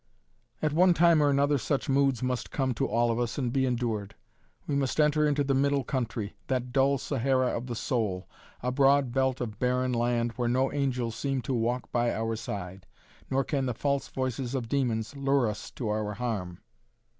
At one time or another such moods must come to all of us and be endured. We must enter into the middle country, that dull Sahara of the soul, a broad belt of barren land where no angels seem to walk by our side, nor can the false voices of demons lure us to our harm.